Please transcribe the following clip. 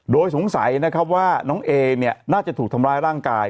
โดยสงสัยนะครับว่าน้องเอเนี่ยน่าจะถูกทำร้ายร่างกาย